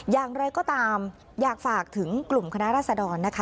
อย่างไรก็ตามอยากฝากถึงกลุ่มคณะรัศดรนะคะ